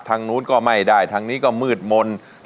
ทางนู้นก็ไม่ได้ทางนี้ก็มืดมนต์